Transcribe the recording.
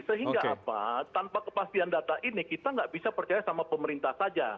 sehingga apa tanpa kepastian data ini kita nggak bisa percaya sama pemerintah saja